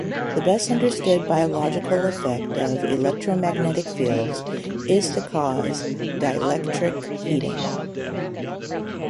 The best understood biological effect of electromagnetic fields is to cause dielectric heating.